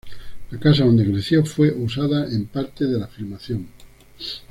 La casa dónde creció fue usada en parte de la filmación.